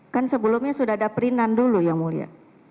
kan sebelumnya sudah ada perinan dulu yang mulia